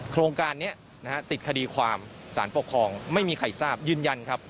โครงการนี้นะฮะติดคดีความสารปกครองไม่มีใครทราบยืนยันครับ